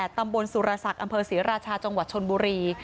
ตำบลสุรศักดิ์อำเภอศรีราชาจังหวัดชนบุรี